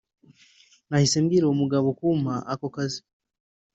nahise mbwira uwo mugabo kumpa ako kazi